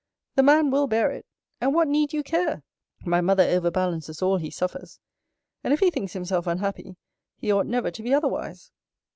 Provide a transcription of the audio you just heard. The man will bear it. And what need you care? My mother overbalances all he suffers: And if he thinks himself unhappy, he ought never to be otherwise.